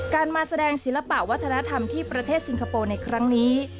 การมาแสดงศิลปะวัฒนธรรมที่ประเทศสิงคโปร์ในครั้งนี้